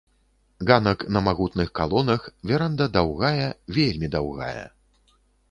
Ганак на магутных калонах, веранда даўгая, вельмі даўгая.